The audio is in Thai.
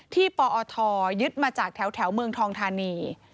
ปอทยึดมาจากแถวเมืองทองธานี